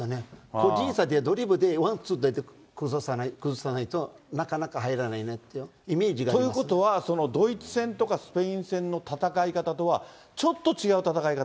個人でドリブルで、ワンツーで崩さないとなかなか入らないというということは、ドイツ戦とかスペイン戦の戦い方とは、ちょっと違う戦い方？